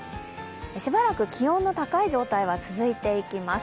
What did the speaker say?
しばらく気温の高い状態が続いていきます。